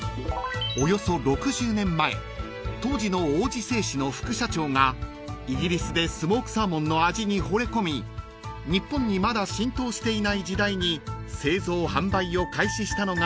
［およそ６０年前当時の王子製紙の副社長がイギリスでスモークサーモンの味にほれ込み日本にまだ浸透していない時代に製造・販売を開始したのが王子サーモンなんです］